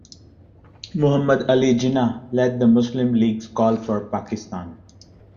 Muhammad Ali Jinnah led the Muslim League's call for Pakistan.